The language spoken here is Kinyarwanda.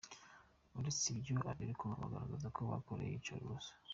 Uretse ibyo, abirukanwa bagaragaza ko bakorewe iyicarubozo.